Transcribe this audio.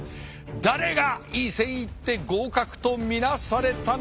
誰がいい線いって合格と見なされたのか。